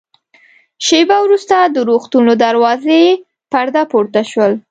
شېبه وروسته د روغتون له دروازې پرده پورته شول.